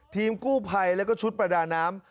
ทีมกู้ภัยแล้วก็ชุดประดาน้ำ